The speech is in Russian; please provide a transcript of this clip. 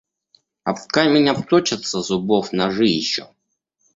Об камень обточатся зубов ножи еще!